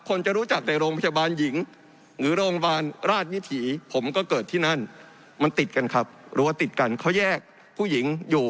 คนจะรู้จักแค่โรงพยาบาลหญิง